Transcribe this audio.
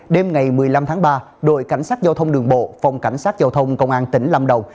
đêm ngày một mươi năm tháng ba đội cảnh sát giao thông đường bộ phòng cảnh sát giao thông công an tỉnh lâm đồng